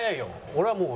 俺はもう。